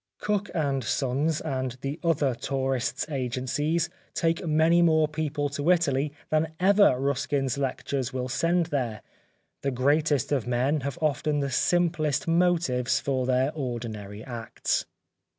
Cook & Sons and the other tourists' agencies take many more people to Italy than ever Ruskin's lectures will send there. The greatest of men have often the simplest motives for their ordinary acts.